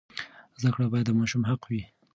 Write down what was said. زده کړه باید د ماشوم حق وي.